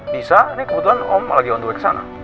bisa ini kebetulan om lagi on the way kesana